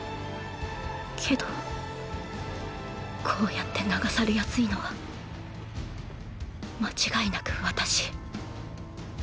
けどこうやって流されやすいのは間違いなく私